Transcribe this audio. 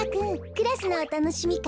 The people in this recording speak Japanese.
クラスのおたのしみかい